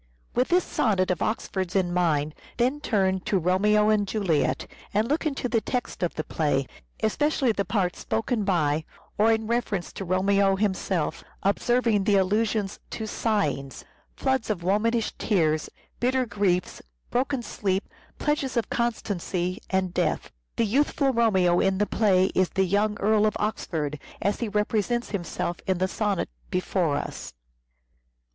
With this sonnet of Oxford's in mind then, turn to " Romeo and Juliet," and look into the text of the play, especially the parts spoken by, or in reference 456 "SHAKESPEARE" IDENTIFIED to Romeo himself, observing the allusions to sighings, floods of womanish tears, bitter griefs, broken sleep, pledges of constancy, and death. The youthful Romeo in the play is the young Earl of Oxford as he represents himself in the sonnet before us.